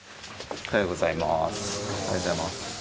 おはようございます。